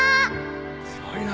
すごいな